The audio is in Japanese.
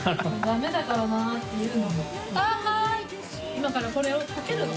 今からこれをかけるの。